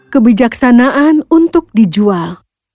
kebijaksanaan untuk dijual